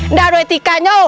nggak ada etika nya